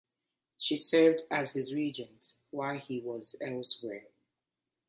She served as his regent while he was elsewhere.